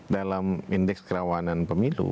dalam indeks kerawanan pemilu